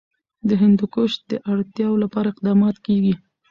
د هندوکش د اړتیاوو لپاره اقدامات کېږي.